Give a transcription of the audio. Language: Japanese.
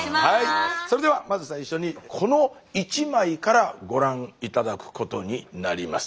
それではまず最初にこの一枚からご覧頂くことになります。